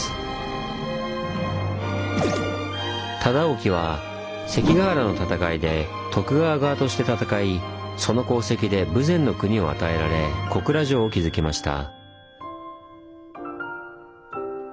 忠興は関ケ原の戦いで徳川側として戦いその功績で豊前国を与えられ小倉城を築きました。